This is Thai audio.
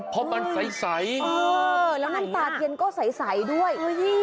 เพราะมันใส่ใสเออแล้วน้ำตาเย็นก็ใสด้วยอุ้ย